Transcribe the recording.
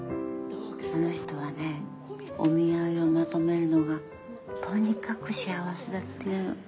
あの人はねお見合いをまとめるのがとにかく幸せだっていうの。